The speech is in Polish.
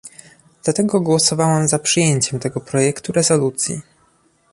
Dlatego głosowałam za przyjęciem tego projektu rezolucji